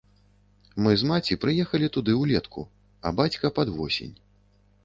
Мы з маці прыехалі туды ўлетку, а бацька пад восень.